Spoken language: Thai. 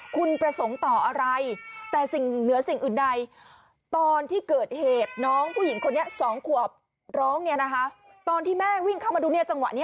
คุณประสงค์ต่ออะไรแต่เหนือสิ่งอื่นใด